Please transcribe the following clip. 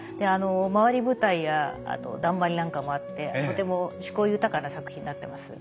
回り舞台やあとだんまりなんかもあってとても趣向豊かな作品になってます。